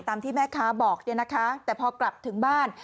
ตามที่แม่ค้าบอกเนี่ยนะคะแต่พอกลับถึงบ้าน